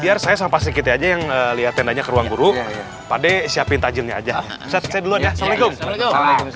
biar saya sampai kita aja yang lihat tendanya ruang guru pade siapin tajilnya aja saya dulu ya assalamualaikum